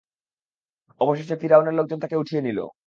অবশেষে ফিরআউনের লোকজন তাকে উঠিয়ে নিল।